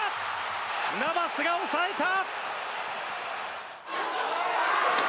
ナバスが押さえた！